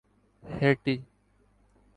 ہیتی